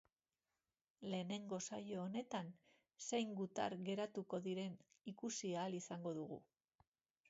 Lehenengo saio honetan, zein gutar geratuko diren ikusi ahal izango dugu.